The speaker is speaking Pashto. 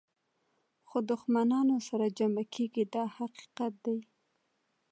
خو دښمنان سره جمع کېږي دا حقیقت دی.